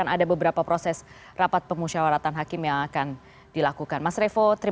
mas revo terima kasih banyak malam hari ini